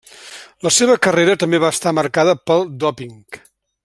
La seva carrera també va estar marcada pel dòping.